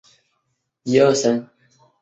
黄脉爵床为爵床科黄脉爵床属的植物。